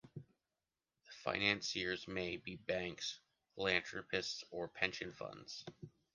The financers may be banks, philanthropists or pension funds.